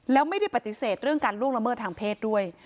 แล้วไม่ได้ปฏิเสธเรื่องการล่วงละเมิดทางเพศด้วย